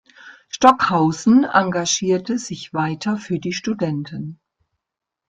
Stockhausen engagierte sich weiter für die Studenten.